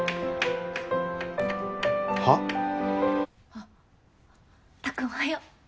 あったっくんおはよう。